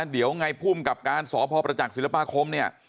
เดี๋ยวไงภูมิกับการสพประจักษ์ศิลปาคมเนี่ย